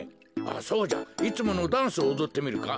そうじゃいつものダンスをおどってみるか。